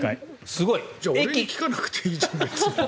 すごい！じゃあ俺に聞かなくてもいいじゃない。